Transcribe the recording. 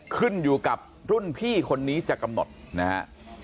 ขึ้นอยู่กับรุ่นพี่คนนี้จะกำหนดนะฮะ